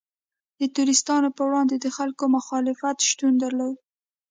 د ټرستانو پر وړاندې د خلکو مخالفت شتون درلود.